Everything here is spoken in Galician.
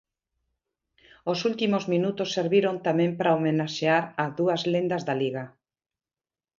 Os últimos minutos serviron tamén para homenaxear a dúas lendas da Liga.